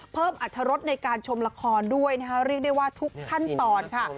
อรรถรสในการชมละครด้วยนะคะเรียกได้ว่าทุกขั้นตอนค่ะ